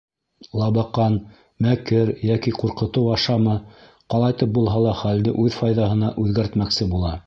Лабаҡан, мәкер йәки ҡурҡытыу ашамы, ҡалайтып булһа ла хәлде үҙ файҙаһына үҙгәртмәксе була.